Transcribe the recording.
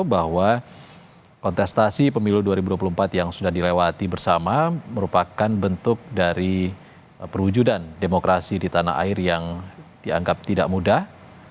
bahwa kontestasi pemilu dua ribu dua puluh empat yang sudah dilewati bersama merupakan bentuk dari perwujudan demokrasi di tanah air yang dianggap tidak mudah